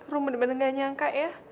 rum bener bener gak nyangka ya